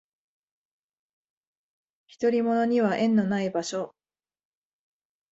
独り者には縁のない場所